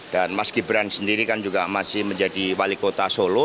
dan mas gibran sendiri kan juga masih menjadi wali kota solo